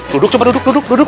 duduk coba duduk duduk